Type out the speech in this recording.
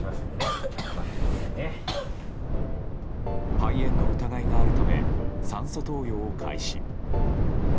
肺炎の疑いがあるため酸素投与を開始。